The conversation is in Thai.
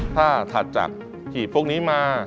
ถ้าถัดจากหีบพวกนี้มา